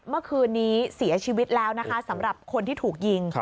เมื่อคืนนี้เสียชีวิตแล้วนะคะสำหรับคนที่ถูกยิง